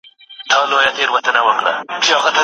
که د انټرنیټ سرعت کم وي نو ویډیوګانې په سمه توګه نه چلیږي.